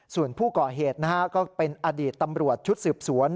ส่วนผู้ก่อเหตุก็เป็นอดีตตำรวจชุดสืบสวน